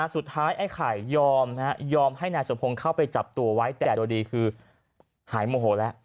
ไอ้ไข่ยอมยอมให้นายสมพงศ์เข้าไปจับตัวไว้แต่โดยดีคือหายโมโหแล้ว